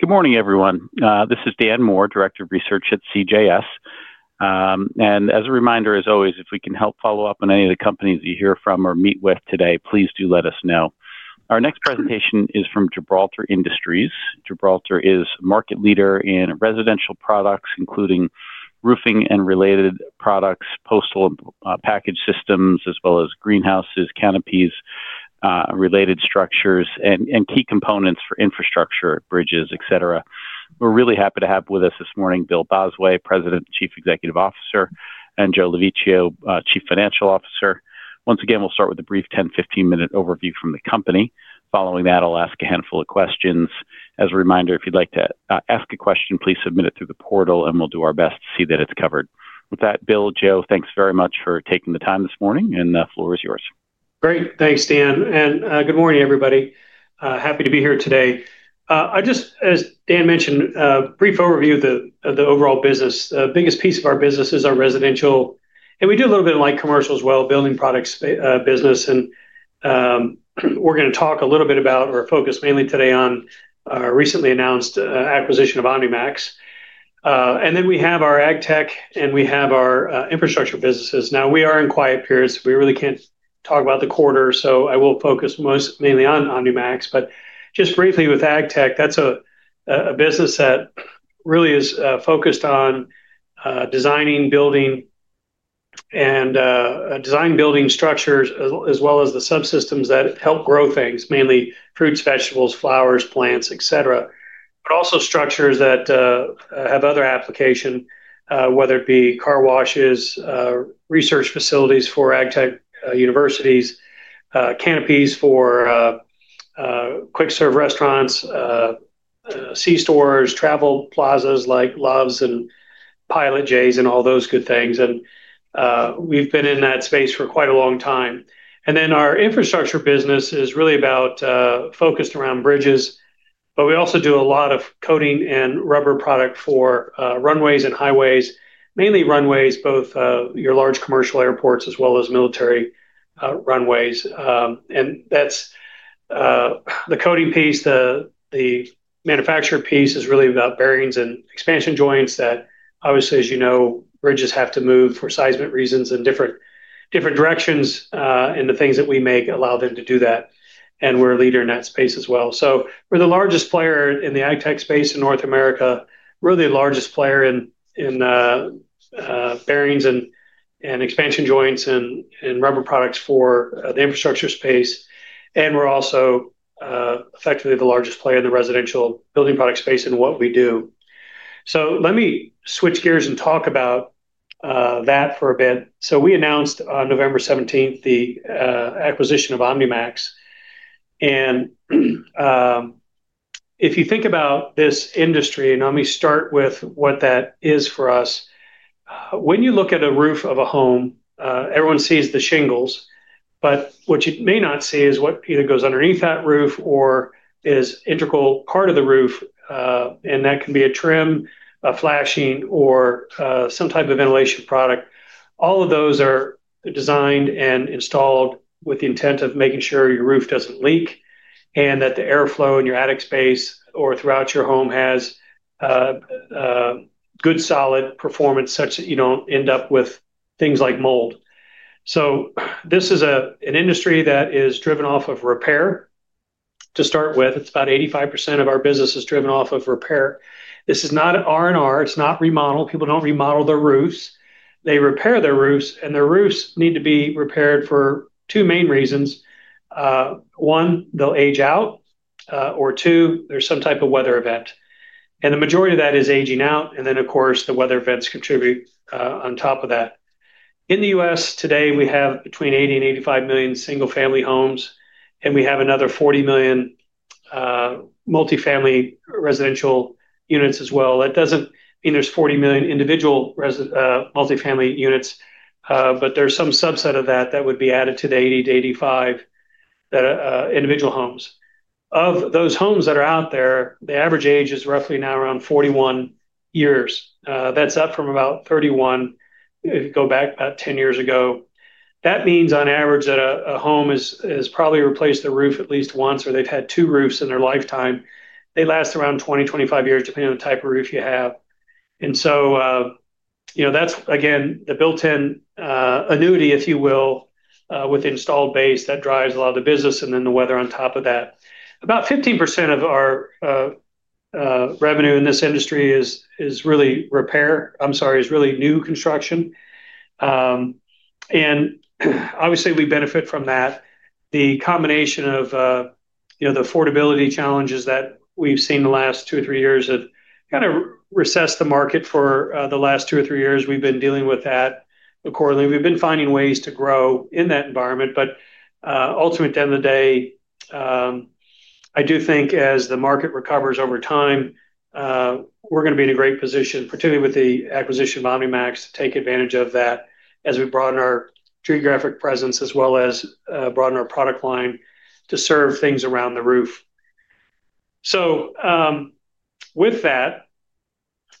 Good morning, everyone. This is Dan Moore, Director of Research at CJS. And as a reminder, as always, if we can help follow up on any of the companies you hear from or meet with today, please do let us know. Our next presentation is from Gibraltar Industries. Gibraltar is a market leader in residential products, including roofing and related products, postal and package systems, as well as greenhouses, canopies, related structures, and key components for infrastructure, bridges, etc. We're really happy to have with us this morning Bill Bosway, President and Chief Executive Officer, and Joe Lovechio, Chief Financial Officer. Once again, we'll start with a brief 10-15-minute overview from the company. Following that, I'll ask a handful of questions. As a reminder, if you'd like to ask a question, please submit it through the portal, and we'll do our best to see that it's covered. With that, Bill, Joe, thanks very much for taking the time this morning, and the floor is yours. Great. Thanks, Dan. And good morning, everybody. Happy to be here today. Just as Dan mentioned, a brief overview of the overall business. The biggest piece of our business is our residential. And we do a little bit like commercial as well, building products business. And we're going to talk a little bit about, or focus mainly today, on our recently announced acquisition of OmniMax. And then we have our agtech, and we have our infrastructure businesses. Now, we are in quiet periods, so we really can't talk about the quarter. So I will focus mainly on OmniMax. But just briefly, with agtech, that's a business that really is focused on designing, building structures, as well as the subsystems that help grow things, mainly fruits, vegetables, flowers, plants, etc., but also structures that have other applications, whether it be car washes, research facilities for agtech universities, canopies for quick-serve restaurants, C-stores, travel plazas like Love's and Pilot J's and all those good things. And we've been in that space for quite a long time. And then our infrastructure business is really focused around bridges, but we also do a lot of coating and rubber product for runways and highways, mainly runways, both at large commercial airports as well as military runways. And that's the coating piece. The manufacturing piece is really about bearings and expansion joints that, obviously, as you know, bridges have to move for seismic reasons in different directions. The things that we make allow them to do that. We're a leader in that space as well. We're the largest player in the agtech space in North America, really the largest player in bearings and expansion joints and rubber products for the infrastructure space. We're also effectively the largest player in the residential building product space in what we do. Let me switch gears and talk about that for a bit. We announced on November 17th the acquisition of OmniMax. If you think about this industry, let me start with what that is for us. When you look at a roof of a home, everyone sees the shingles. What you may not see is what either goes underneath that roof or is an integral part of the roof. And that can be a trim, a flashing, or some type of ventilation product. All of those are designed and installed with the intent of making sure your roof doesn't leak and that the airflow in your attic space or throughout your home has good, solid performance such that you don't end up with things like mold. So this is an industry that is driven off of repair to start with. It's about 85% of our business is driven off of repair. This is not R&R. It's not remodel. People don't remodel their roofs. They repair their roofs. And their roofs need to be repaired for two main reasons. One, they'll age out. Or two, there's some type of weather event. And the majority of that is aging out. And then, of course, the weather events contribute on top of that. In the U.S. today, we have between 80 and 85 million single-family homes, and we have another 40 million multi-family residential units as well. That doesn't mean there's 40 million individual multi-family units, but there's some subset of that that would be added to the 80 to 85 individual homes. Of those homes that are out there, the average age is roughly now around 41 years. That's up from about 31 if you go back about 10 years ago. That means, on average, that a home has probably replaced the roof at least once or they've had two roofs in their lifetime. They last around 20-25 years, depending on the type of roof you have, and so that's, again, the built-in annuity, if you will, with installed base that drives a lot of the business and then the weather on top of that. About 15% of our revenue in this industry is really repair. I'm sorry, is really new construction. And obviously, we benefit from that. The combination of the affordability challenges that we've seen the last two or three years have kind of recessed the market for the last two or three years. We've been dealing with that accordingly. We've been finding ways to grow in that environment. But ultimately, at the end of the day, I do think as the market recovers over time, we're going to be in a great position, particularly with the acquisition of OmniMax, to take advantage of that as we broaden our geographic presence as well as broaden our product line to serve things around the roof. So with that,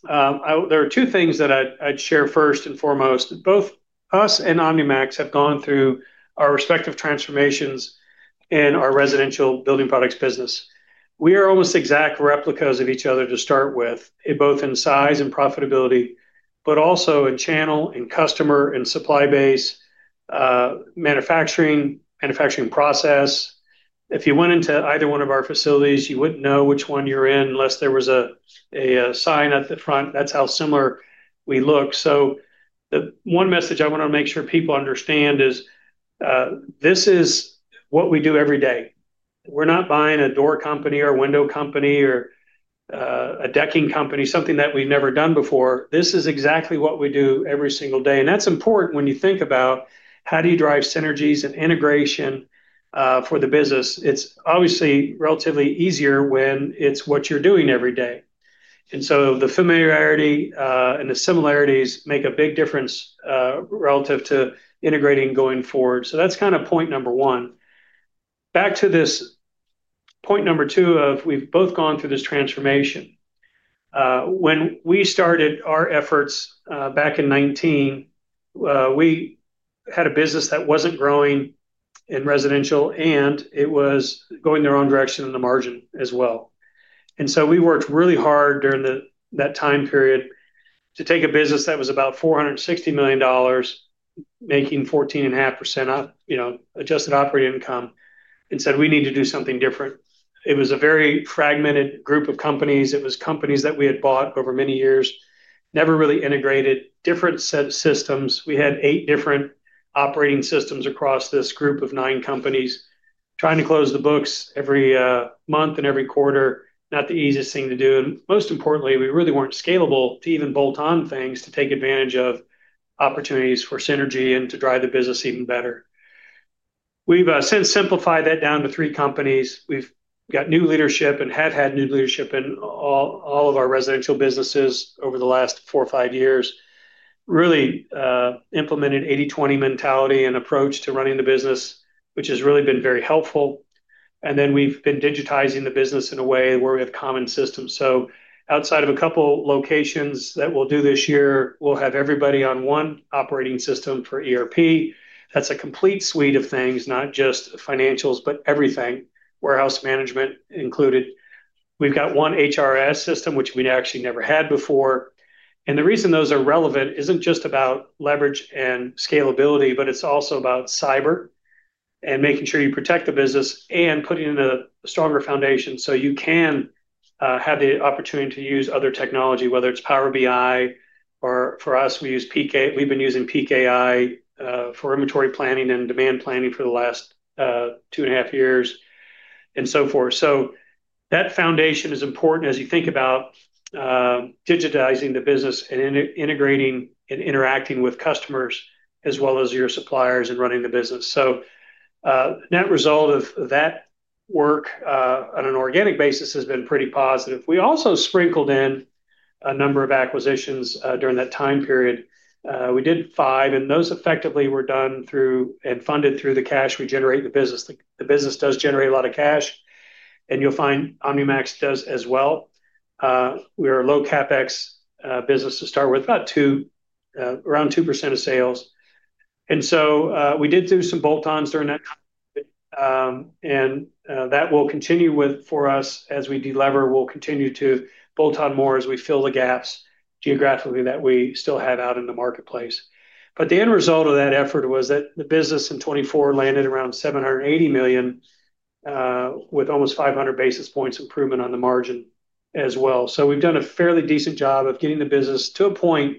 there are two things that I'd share first and foremost. Both us and OmniMax have gone through our respective transformations in our residential building products business. We are almost exact replicas of each other to start with, both in size and profitability, but also in channel and customer and supply base, manufacturing, manufacturing process. If you went into either one of our facilities, you wouldn't know which one you're in unless there was a sign at the front. That's how similar we look. So the one message I want to make sure people understand is this is what we do every day. We're not buying a door company or a window company or a decking company, something that we've never done before. This is exactly what we do every single day. And that's important when you think about how do you drive synergies and integration for the business. It's obviously relatively easier when it's what you're doing every day. And so the familiarity and the similarities make a big difference relative to integrating going forward. So that's kind of point number one. Back to this point number two that we've both gone through this transformation. When we started our efforts back in 2019, we had a business that wasn't growing in residential, and it was going in the wrong direction in the margin as well. And so we worked really hard during that time period to take a business that was about $460 million making 14.5% Adjusted Operating Income and said, "We need to do something different." It was a very fragmented group of companies. It was companies that we had bought over many years, never really integrated different systems. We had eight different operating systems across this group of nine companies trying to close the books every month and every quarter. Not the easiest thing to do. And most importantly, we really weren't scalable to even bolt on things to take advantage of opportunities for synergy and to drive the business even better. We've since simplified that down to three companies. We've got new leadership and have had new leadership in all of our residential businesses over the last four or five years. Really implemented 80/20 mentality and approach to running the business, which has really been very helpful. And then we've been digitizing the business in a way where we have common systems. So outside of a couple of locations that we'll do this year, we'll have everybody on one operating system for ERP. That's a complete suite of things, not just financials, but everything, warehouse management included. We've got one HRS system, which we actually never had before. The reason those are relevant isn't just about leverage and scalability, but it's also about cyber and making sure you protect the business and putting in a stronger foundation so you can have the opportunity to use other technology, whether it's Power BI or for us, we've been using Peak AI for inventory planning and demand planning for the last two and a half years and so forth, so that foundation is important as you think about digitizing the business and integrating and interacting with customers as well as your suppliers and running the business, so net result of that work on an organic basis has been pretty positive. We also sprinkled in a number of acquisitions during that time period. We did five, and those effectively were done through and funded through the cash we generate in the business. The business does generate a lot of cash, and you'll find OmniMax does as well. We are a low CapEx business to start with, about around 2% of sales, and that will continue for us as we deliver. We'll continue to bolt on more as we fill the gaps geographically that we still have out in the marketplace, but the end result of that effort was that the business in 2024 landed around $780 million with almost 500 basis points improvement on the margin as well, so we've done a fairly decent job of getting the business to a point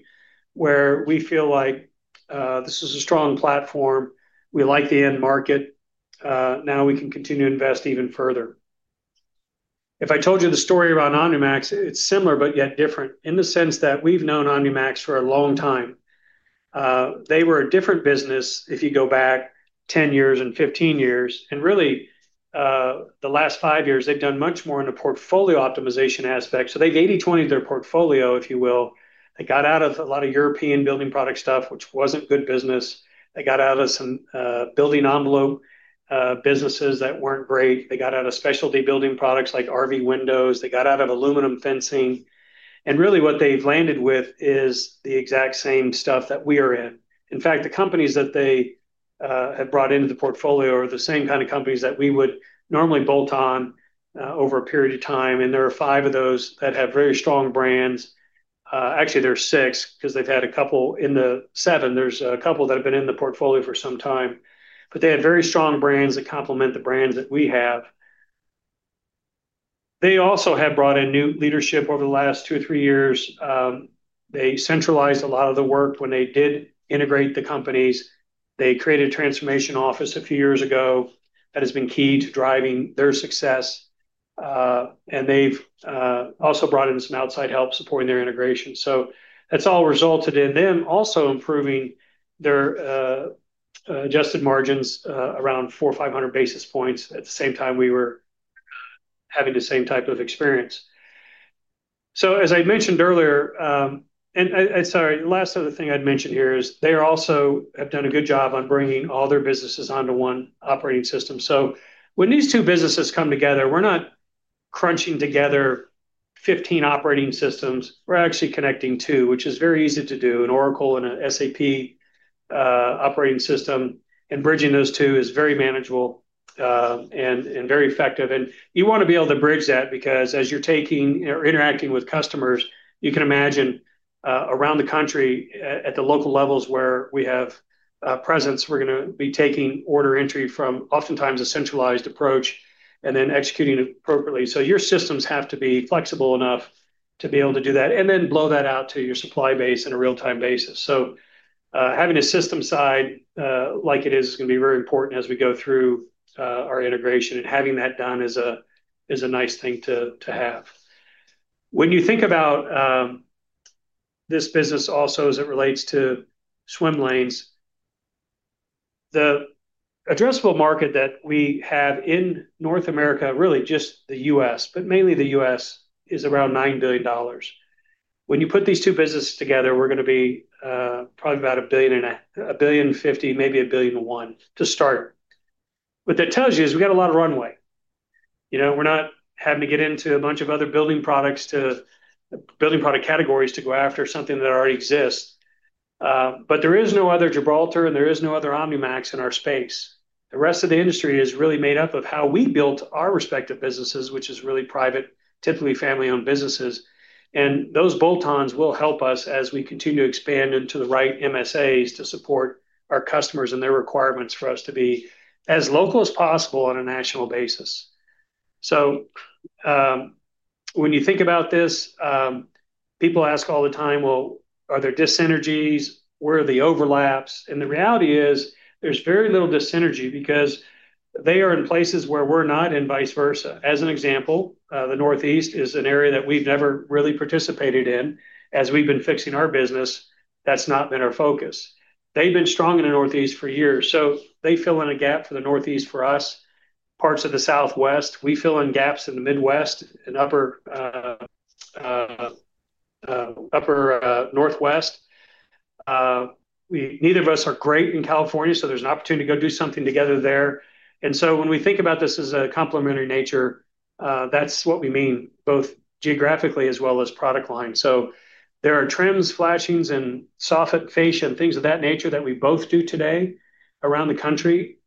where we feel like this is a strong platform. We like the end market. Now we can continue to invest even further. If I told you the story around OmniMax, it's similar but yet different in the sense that we've known OmniMax for a long time. They were a different business if you go back 10 years and 15 years, and really, the last five years, they've done much more in the portfolio optimization aspect, so they've 80/20 their portfolio, if you will. They got out of a lot of European building product stuff, which wasn't good business. They got out of some building envelope businesses that weren't great. They got out of specialty building products like RV windows. They got out of aluminum fencing, and really, what they've landed with is the exact same stuff that we are in. In fact, the companies that they have brought into the portfolio are the same kind of companies that we would normally bolt on over a period of time. And there are five of those that have very strong brands. Actually, there are six because they've had a couple in the seven. There's a couple that have been in the portfolio for some time. But they had very strong brands that complement the brands that we have. They also have brought in new leadership over the last two or three years. They centralized a lot of the work when they did integrate the companies. They created a transformation office a few years ago that has been key to driving their success. And they've also brought in some outside help supporting their integration. So that's all resulted in them also improving their adjusted margins around 400-500 basis points at the same time we were having the same type of experience. So as I mentioned earlier, and sorry, the last other thing I'd mentioned here is they also have done a good job on bringing all their businesses onto one operating system. So when these two businesses come together, we're not crunching together 15 operating systems. We're actually connecting two, which is very easy to do, an Oracle and an SAP operating system. And bridging those two is very manageable and very effective. And you want to be able to bridge that because as you're interacting with customers, you can imagine around the country at the local levels where we have presence, we're going to be taking order entry from oftentimes a centralized approach and then executing appropriately. So your systems have to be flexible enough to be able to do that and then blow that out to your supply base on a real-time basis. Having a system side like it is is going to be very important as we go through our integration. And having that done is a nice thing to have. When you think about this business also as it relates to swim lanes, the addressable market that we have in North America, really just the U.S., but mainly the U.S., is around $9 billion. When you put these two businesses together, we're going to be probably about $1 billion and $1.05 billion, maybe $1.1 billion to start. What that tells you is we've got a lot of runway. We're not having to get into a bunch of other building products to building product categories to go after something that already exists. There is no other Gibraltar, and there is no other OmniMax in our space. The rest of the industry is really made up of how we built our respective businesses, which is really private, typically family-owned businesses, and those bolt-ons will help us as we continue to expand into the right MSAs to support our customers and their requirements for us to be as local as possible on a national basis, so when you think about this, people ask all the time, "Well, are there dissynergies? Where are the overlaps?", and the reality is there's very little dissynergy because they are in places where we're not and vice versa. As an example, the Northeast is an area that we've never really participated in as we've been fixing our business. That's not been our focus. They've been strong in the Northeast for years, so they fill in a gap for the Northeast for us, parts of the Southwest. We fill in gaps in the Midwest and Upper Northwest. Neither of us are great in California, so there's an opportunity to go do something together there. And so when we think about this as a complementary nature, that's what we mean both geographically as well as product line. So there are trims, flashings, and soffits and fascia, things of that nature that we both do today around the country.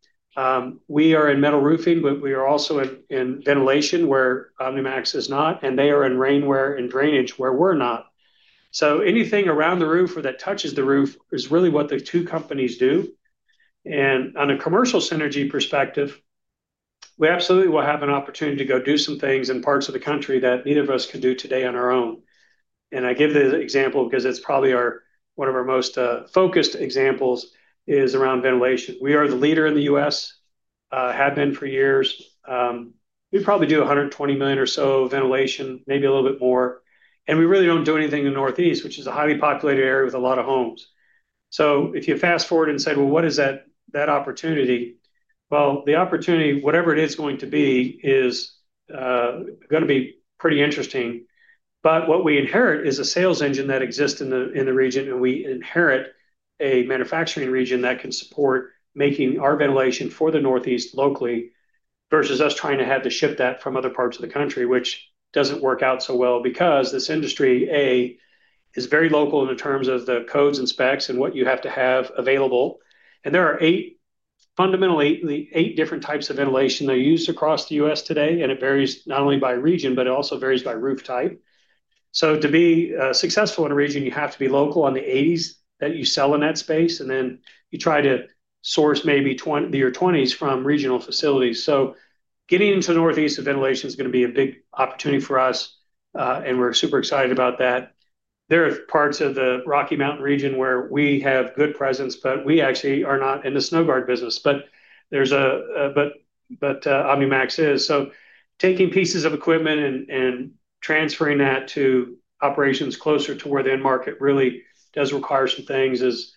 We are in metal roofing, but we are also in ventilation where OmniMax is not, and they are in rainware and drainage where we're not. So anything around the roof or that touches the roof is really what the two companies do. And on a commercial synergy perspective, we absolutely will have an opportunity to go do some things in parts of the country that neither of us could do today on our own. I give the example because it's probably one of our most focused examples is around ventilation. We are the leader in the U.S., have been for years. We probably do $120 million or so ventilation, maybe a little bit more. We really don't do anything in the Northeast, which is a highly populated area with a lot of homes. If you fast forward and say, "Well, what is that opportunity?" The opportunity, whatever it is going to be, is going to be pretty interesting. But what we inherit is a sales engine that exists in the region, and we inherit a manufacturing region that can support making our ventilation for the Northeast locally versus us trying to have to ship that from other parts of the country, which doesn't work out so well because this industry, A, is very local in terms of the codes and specs and what you have to have available. And there are fundamentally eight different types of ventilation they use across the U.S. today, and it varies not only by region, but it also varies by roof type. So to be successful in a region, you have to be local on the 80s that you sell in that space, and then you try to source maybe your 20s from regional facilities. So getting into the Northeast of ventilation is going to be a big opportunity for us, and we're super excited about that. There are parts of the Rocky Mountain region where we have good presence, but we actually are not in the snow guard business, but OmniMax is. So taking pieces of equipment and transferring that to operations closer to where the end market really does require some things is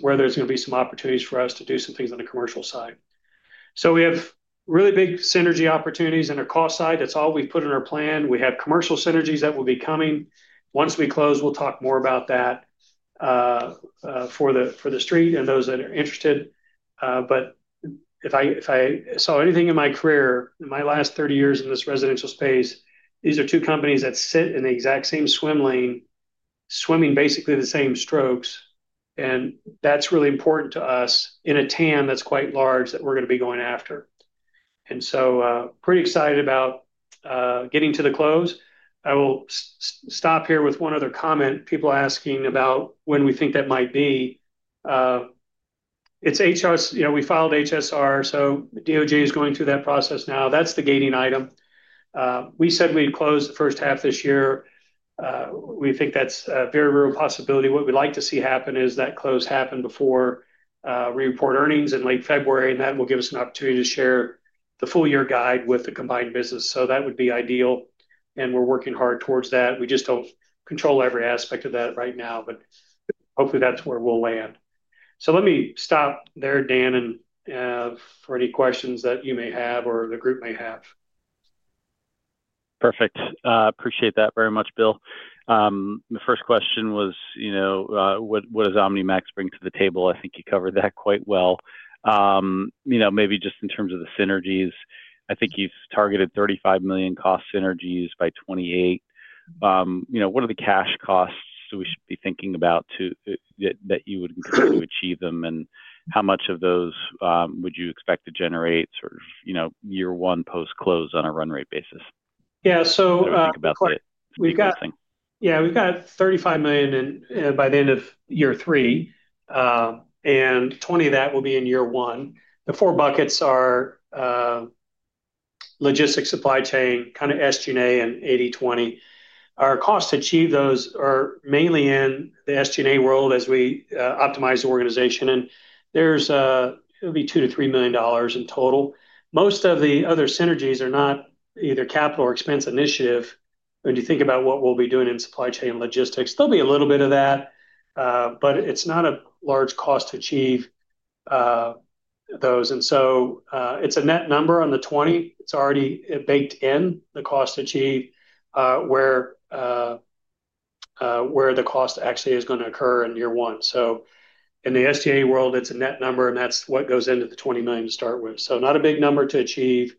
where there's going to be some opportunities for us to do some things on the commercial side. So we have really big synergy opportunities on our cost side. That's all we've put in our plan. We have commercial synergies that will be coming. Once we close, we'll talk more about that for the street and those that are interested. But if I saw anything in my career, in my last 30 years in this residential space, these are two companies that sit in the exact same swim lane, swimming basically the same strokes. And that's really important to us in a TAM that's quite large that we're going to be going after. And so pretty excited about getting to the close. I will stop here with one other comment. People are asking about when we think that might be. We filed HSR, so DOJ is going through that process now. That's the gating item. We said we'd close the first half this year. We think that's a very real possibility. What we'd like to see happen is that close happen before we report earnings in late February, and that will give us an opportunity to share the full year guide with the combined business. So that would be ideal, and we're working hard towards that. We just don't control every aspect of that right now, but hopefully that's where we'll land. So let me stop there, Dan, for any questions that you may have or the group may have. Perfect. Appreciate that very much, Bill. The first question was, what does OmniMax bring to the table? I think you covered that quite well. Maybe just in terms of the synergies, I think you've targeted $35 million cost synergies by 2028. What are the cash costs we should be thinking about that you would encourage to achieve them, and how much of those would you expect to generate sort of year one post-close on a run rate basis? Yeah. So. What do you think about that? Yeah. We've got $35 million by the end of year three, and $20 million of that will be in year one. The four buckets are logistics, supply chain, kind of SG&A and 80/20. Our cost to achieve those are mainly in the SG&A world as we optimize the organization. And it'll be $2 million-$3 million in total. Most of the other synergies are not either capital or expense initiative. When you think about what we'll be doing in supply chain logistics, there'll be a little bit of that, but it's not a large cost to achieve those. And so it's a net number on the $20 million. It's already baked in the cost to achieve where the cost actually is going to occur in year one. So in the SG&A world, it's a net number, and that's what goes into the $20 million to start with. So not a big number to achieve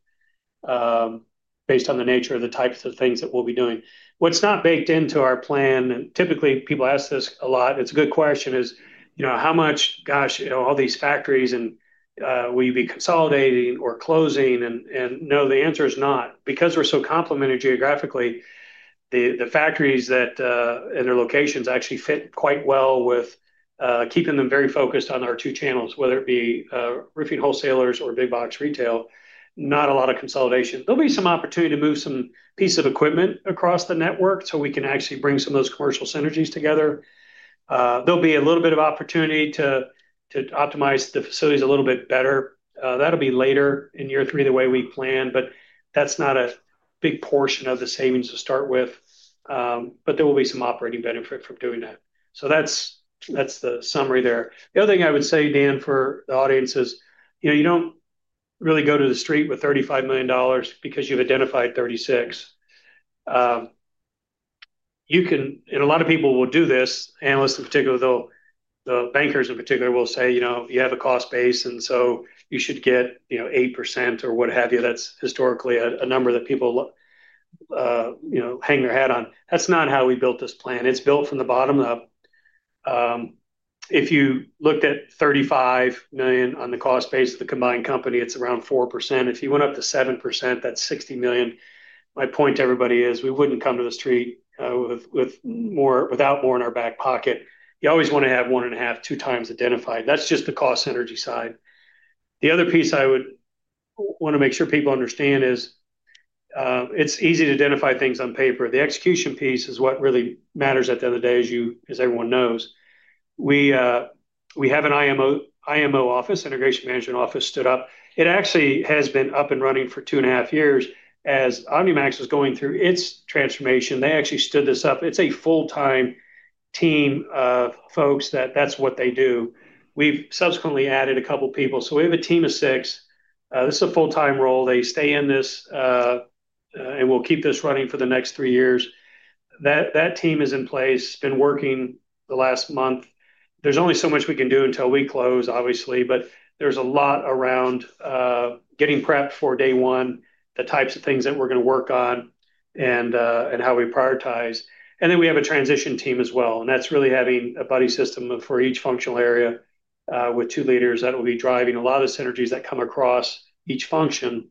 based on the nature of the types of things that we'll be doing. What's not baked into our plan, and typically people ask this a lot, it's a good question, is how much, gosh, all these factories, and will you be consolidating or closing? And no, the answer is not. Because we're so complementary geographically, the factories and their locations actually fit quite well with keeping them very focused on our two channels, whether it be roofing wholesalers or big box retail. Not a lot of consolidation. There'll be some opportunity to move some piece of equipment across the network so we can actually bring some of those commercial synergies together. There'll be a little bit of opportunity to optimize the facilities a little bit better. That'll be later in year three the way we plan, but that's not a big portion of the savings to start with. But there will be some operating benefit from doing that. So that's the summary there. The other thing I would say, Dan, for the audience is you don't really go to the street with $35 million because you've identified $36 million. And a lot of people will do this, analysts in particular, the bankers in particular will say, "You have a cost base, and so you should get 8% or what have you." That's historically a number that people hang their hat on. That's not how we built this plan. It's built from the bottom up. If you looked at $35 million on the cost base of the combined company, it's around 4%. If you went up to 7%, that's $60 million. My point to everybody is we wouldn't come to the street without more in our back pocket. You always want to have one and a half, two times identified. That's just the cost synergy side. The other piece I would want to make sure people understand is it's easy to identify things on paper. The execution piece is what really matters at the end of the day, as everyone knows. We have an IMO office, Integration Management Office, stood up. It actually has been up and running for two and a half years as OmniMax was going through its transformation. They actually stood this up. It's a full-time team of folks that's what they do. We've subsequently added a couple of people. So we have a team of six. This is a full-time role. They stay in this, and we'll keep this running for the next three years. That team is in place, been working the last month. There's only so much we can do until we close, obviously, but there's a lot around getting prepped for day one, the types of things that we're going to work on, and how we prioritize. And then we have a transition team as well. And that's really having a buddy system for each functional area with two leaders that will be driving a lot of synergies that come across each function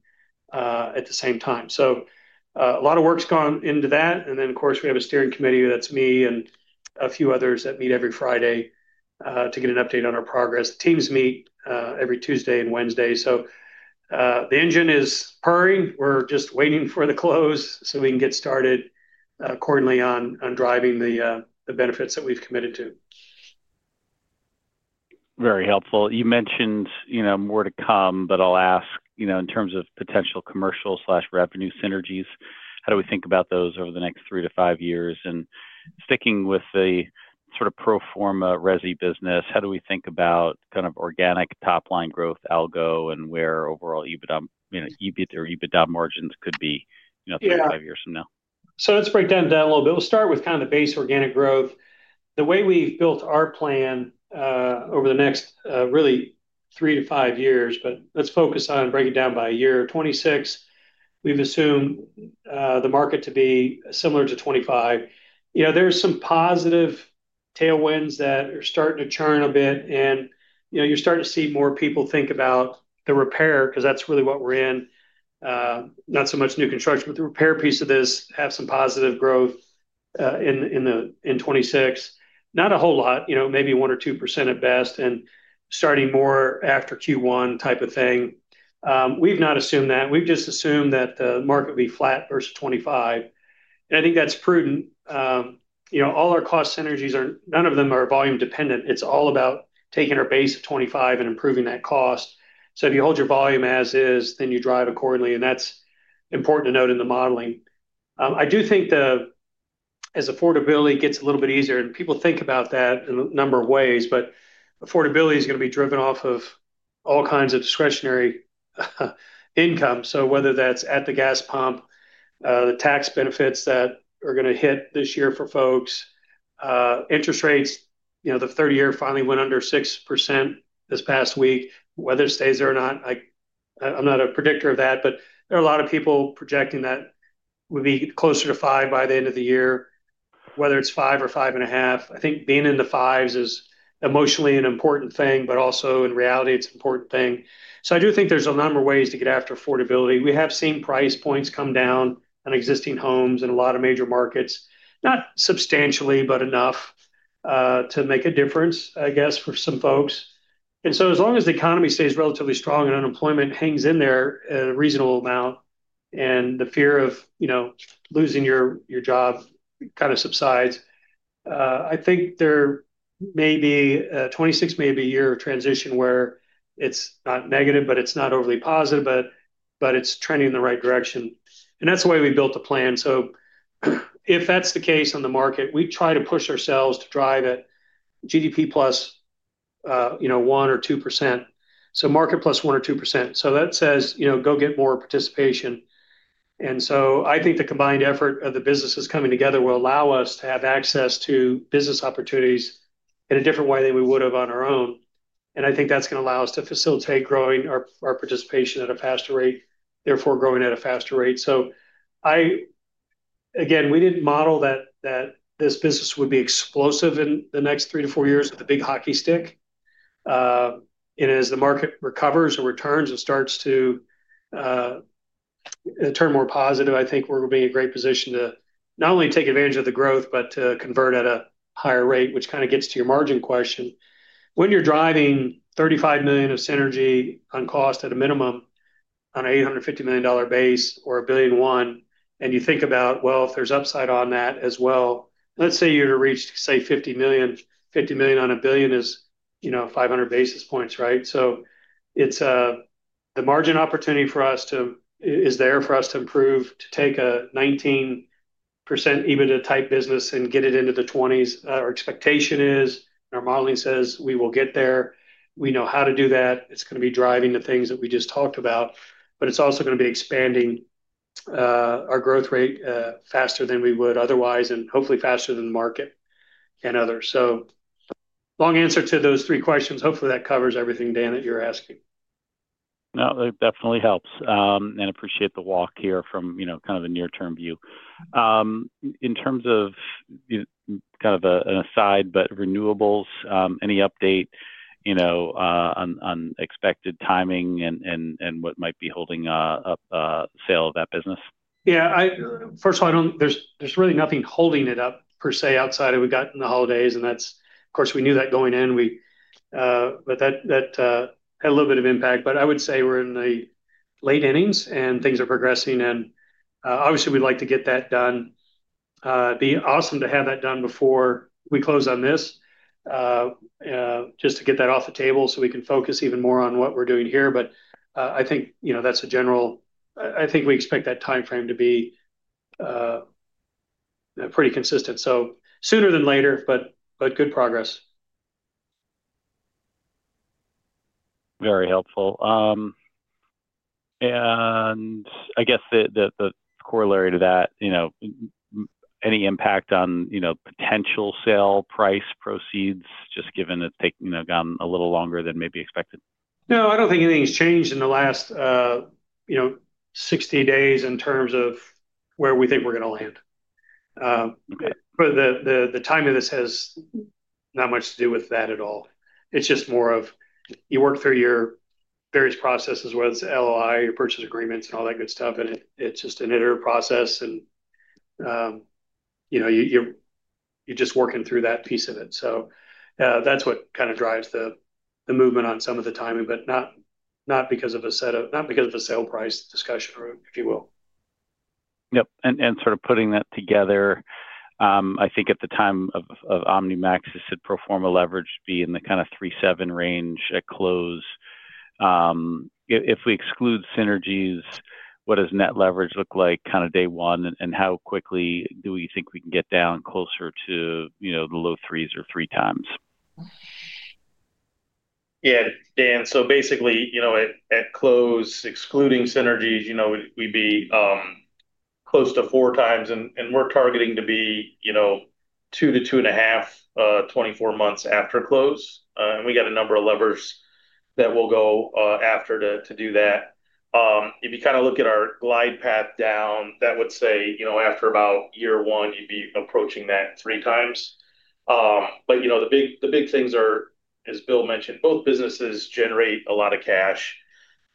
at the same time. So a lot of work's gone into that. And then, of course, we have a steering committee. That's me and a few others that meet every Friday to get an update on our progress. teams meet every Tuesday and Wednesday. So the engine is purring. We're just waiting for the close so we can get started accordingly on driving the benefits that we've committed to. Very helpful. You mentioned more to come, but I'll ask in terms of potential commercial/revenue synergies, how do we think about those over the next three to five years? And sticking with the sort of pro forma resi business, how do we think about kind of organic top-line growth algo and where overall EBIT or EBITDA margins could be three to five years from now? So let's break down that a little bit. We'll start with kind of the base organic growth. The way we've built our plan over the next really three to five years, but let's focus on breaking down by a year. 2026, we've assumed the market to be similar to 2025. There's some positive tailwinds that are starting to churn a bit, and you're starting to see more people think about the repair because that's really what we're in. Not so much new construction, but the repair piece of this has some positive growth in 2026. Not a whole lot, maybe one or 2% at best, and starting more after Q1 type of thing. We've not assumed that. We've just assumed that the market will be flat versus 2025. And I think that's prudent. All our cost synergies, none of them are volume dependent. It's all about taking our base of 2025 and improving that cost, so if you hold your volume as is, then you drive accordingly, and that's important to note in the modeling. I do think as affordability gets a little bit easier, and people think about that in a number of ways, but affordability is going to be driven off of all kinds of discretionary income, so whether that's at the gas pump, the tax benefits that are going to hit this year for folks, interest rates, the 30-year finally went under 6% this past week. Whether it stays there or not, I'm not a predictor of that, but there are a lot of people projecting that we'll be closer to 5% by the end of the year, whether it's 5% or 5.5%. I think being in the 5s is emotionally an important thing, but also in reality, it's an important thing. So I do think there's a number of ways to get after affordability. We have seen price points come down on existing homes in a lot of major markets, not substantially, but enough to make a difference, I guess, for some folks. And so as long as the economy stays relatively strong and unemployment hangs in there at a reasonable amount and the fear of losing your job kind of subsides, I think there may be 2026 may be a year of transition where it's not negative, but it's not overly positive, but it's trending in the right direction. And that's the way we built the plan. So if that's the case on the market, we try to push ourselves to drive it GDP +1% or +2%. Market +1% or +2%. That says, "Go get more participation." I think the combined effort of the businesses coming together will allow us to have access to business opportunities in a different way than we would have on our own. I think that's going to allow us to facilitate growing our participation at a faster rate, therefore growing at a faster rate. Again, we didn't model that this business would be explosive in the next three to four years with a big hockey stick. As the market recovers or returns and starts to turn more positive, I think we're going to be in a great position to not only take advantage of the growth, but to convert at a higher rate, which kind of gets to your margin question. When you're driving $35 million of synergy on cost at a minimum on an $850 million base or a $1 billion one, and you think about, "Well, if there's upside on that as well," let's say you're to reach, say, $50 million. $50 million on a $1 billion is 500 basis points, right? So the margin opportunity for us is there for us to improve, to take a 19% EBITDA type business and get it into the 20s. Our expectation is, and our modeling says, "We will get there. We know how to do that." It's going to be driving the things that we just talked about, but it's also going to be expanding our growth rate faster than we would otherwise, and hopefully faster than the market and others. So long answer to those three questions. Hopefully, that covers everything, Dan, that you're asking. No, it definitely helps. I appreciate the walk here from kind of a near-term view. In terms of kind of an aside, but renewables, any update on expected timing and what might be holding up sale of that business? Yeah. First of all, there's really nothing holding it up per se outside of we got in the holidays. And of course, we knew that going in, but that had a little bit of impact. But I would say we're in the late innings, and things are progressing. And obviously, we'd like to get that done. It'd be awesome to have that done before we close on this just to get that off the table so we can focus even more on what we're doing here. But I think that's a general I think we expect that timeframe to be pretty consistent. So sooner than later, but good progress. Very helpful. And I guess the corollary to that, any impact on potential sale price proceeds just given it's gone a little longer than maybe expected? No, I don't think anything's changed in the last 60 days in terms of where we think we're going to land. But the timing of this has not much to do with that at all. It's just more as you work through your various processes, whether it's LOI, your purchase agreements, and all that good stuff. And it's just an iterative process, and you're just working through that piece of it. So that's what kind of drives the movement on some of the timing, but not because of a sale price discussion, if you will. Yep. And sort of putting that together, I think at the time of OmniMax, this had pro forma leverage be in the kind of 3.7 range at close. If we exclude synergies, what does net leverage look like kind of day one, and how quickly do we think we can get down closer to the low threes or three times? Yeah. Dan, so basically, at close, excluding synergies, we'd be close to four times, and we're targeting to be two to two and a half, 24 months after close. And we got a number of levers that will go after to do that. If you kind of look at our glide path down, that would say after about year one, you'd be approaching that three times. But the big things are, as Bill mentioned, both businesses generate a lot of cash.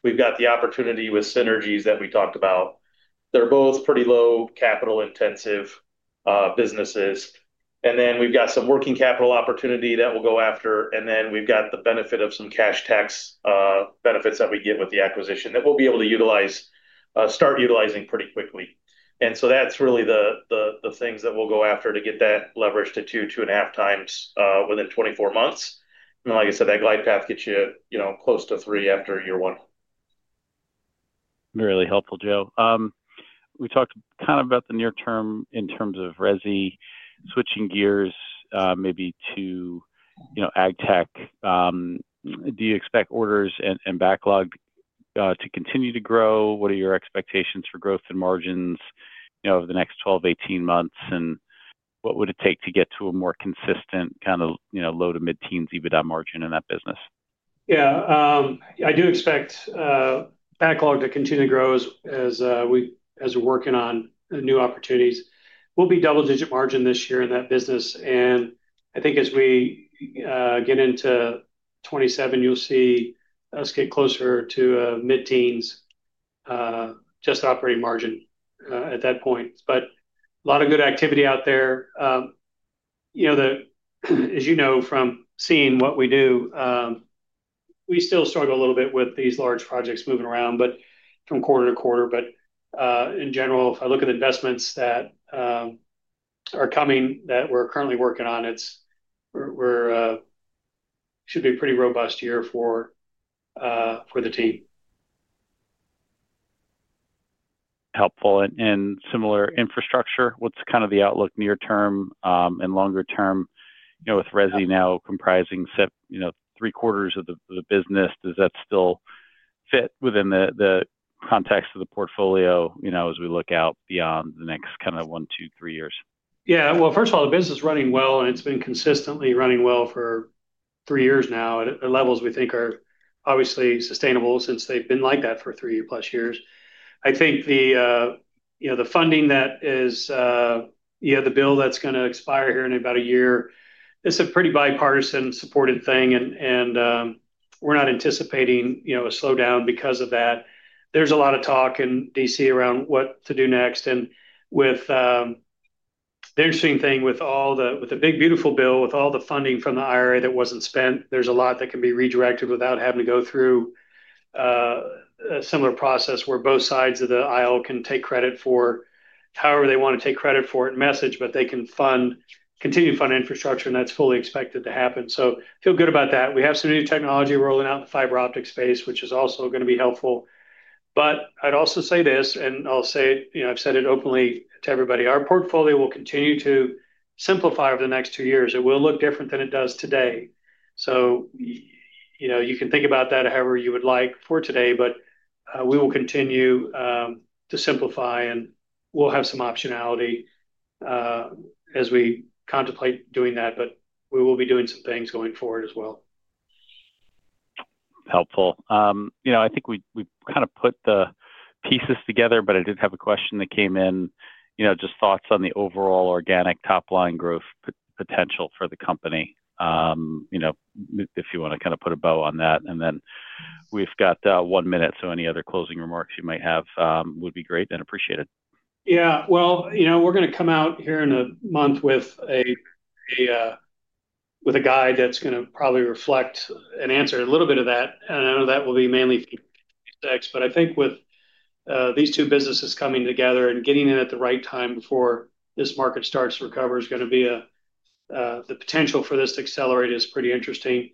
We've got the opportunity with synergies that we talked about. They're both pretty low capital intensive businesses. And then we've got some working capital opportunity that will go after. And then we've got the benefit of some cash tax benefits that we get with the acquisition that we'll be able to start utilizing pretty quickly. And so that's really the things that we'll go after to get that leverage to 2-2.5x within 24 months. And like I said, that glide path gets you close to 3 after year one. Really helpful, Joe. We talked kind of about the near term in terms of resi, switching gears maybe to ag tech. Do you expect orders and backlog to continue to grow? What are your expectations for growth and margins over the next 12-18 months? And what would it take to get to a more consistent kind of low to mid-teens EBITDA margin in that business? Yeah. I do expect backlog to continue to grow as we're working on new opportunities. We'll be double-digit margin this year in that business. And I think as we get into 2027, you'll see us get closer to mid-teens just operating margin at that point. But a lot of good activity out there. As you know from seeing what we do, we still struggle a little bit with these large projects moving around from quarter to quarter. But in general, if I look at the investments that are coming that we're currently working on, it should be a pretty robust year for the team. Helpful. And similar infrastructure, what's kind of the outlook near term and longer term with resi now comprising three quarters of the business? Does that still fit within the context of the portfolio as we look out beyond the next kind of one, two, three years? Yeah. Well, first of all, the business is running well, and it's been consistently running well for three years now at levels we think are obviously sustainable since they've been like that for three plus years. I think the funding that is, yeah, the bill that's going to expire here in about a year, it's a pretty bipartisan supported thing. And we're not anticipating a slowdown because of that. There's a lot of talk in DC around what to do next. And the interesting thing with the big, beautiful bill, with all the funding from the IRA that wasn't spent, there's a lot that can be redirected without having to go through a similar process where both sides of the aisle can take credit for however they want to take credit for it and message, but they can continue to fund infrastructure, and that's fully expected to happen. So feel good about that. We have some new technology rolling out in the fiber optic space, which is also going to be helpful. But I'd also say this, and I'll say it, I've said it openly to everybody. Our portfolio will continue to simplify over the next two years. It will look different than it does today. So you can think about that however you would like for today, but we will continue to simplify, and we'll have some optionality as we contemplate doing that, but we will be doing some things going forward as well. Helpful. I think we've kind of put the pieces together, but I did have a question that came in, just thoughts on the overall organic top-line growth potential for the company if you want to kind of put a bow on that. And then we've got one minute, so any other closing remarks you might have would be great and appreciated. Yeah. Well, we're going to come out here in a month with a guide that's going to probably reflect and answer a little bit of that. And I know that will be mainly for the techs, but I think with these two businesses coming together and getting in at the right time before this market starts to recover, it's going to be the potential for this to accelerate is pretty interesting.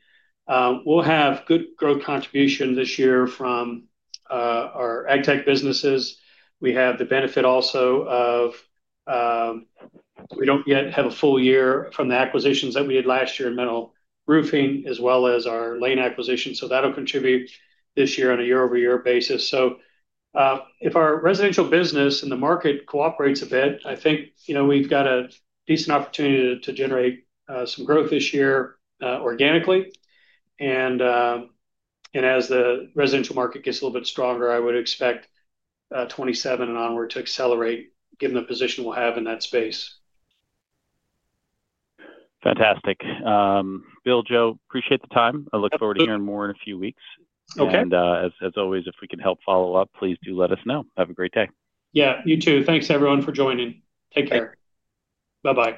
We'll have good growth contribution this year from our ag tech businesses. We have the benefit also of we don't yet have a full year from the acquisitions that we did last year in metal roofing as well as our lane acquisition. So that'll contribute this year on a year-over-year basis. So if our residential business and the market cooperates a bit, I think we've got a decent opportunity to generate some growth this year organically. As the residential market gets a little bit stronger, I would expect 2027 and onward to accelerate given the position we'll have in that space. Fantastic. Bill, Joe, appreciate the time. I look forward to hearing more in a few weeks. And as always, if we can help follow up, please do let us know. Have a great day. Yeah. You too. Thanks, everyone, for joining. Take care. Okay. Bye-bye.